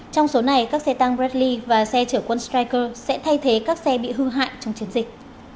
trong số này các xe tăng bredli và xe chở quân strect sẽ thay thế các xe bị hư hại trong chiến dịch